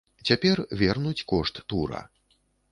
Цяпер вернуць кошт тура.